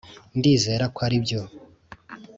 ndizera ko aribyo.